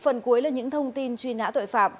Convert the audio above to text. phần cuối là những thông tin truy nã tội phạm